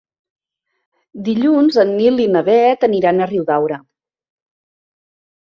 Dilluns en Nil i na Bet aniran a Riudaura.